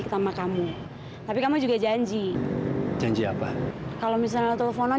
kerjaanku masih banyak di kantor